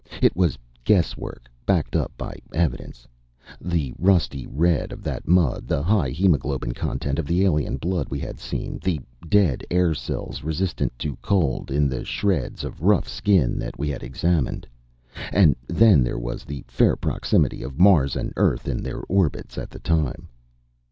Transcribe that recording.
It was guess work, backed up by evidence: The rusty red of that mud; the high hemoglobin content of the alien blood we had seen; the dead air cells resistant to cold in the shreds of rough skin that we had examined. And then there was the fair proximity of Mars and Earth in their orbits at the time.